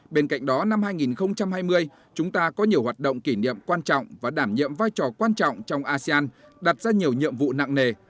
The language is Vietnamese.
bên cạnh đó năm hai nghìn hai mươi chúng ta có nhiều hoạt động kỷ niệm quan trọng và đảm nhiệm vai trò quan trọng trong asean đặt ra nhiều nhiệm vụ nặng nề